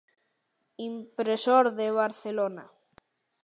Impresor de Barcelona.